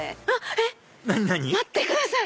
えっ⁉待ってください。